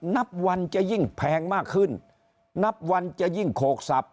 นับวันจะยิ่งแพงมากขึ้นนับวันจะยิ่งโขกสับ